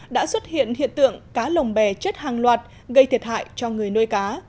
đã xuất hiện hiện tượng cá lồng bè chết hàng loạt gây thiệt hại cho người nuôi cá